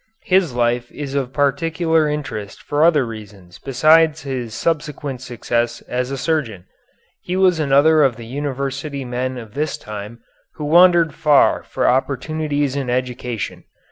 His life is of particular interest for other reasons besides his subsequent success as a surgeon. He was another of the university men of this time who wandered far for opportunities in education.